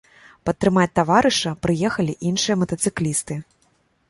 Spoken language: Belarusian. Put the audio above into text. Падтрымаць таварыша прыехалі іншыя матацыклісты.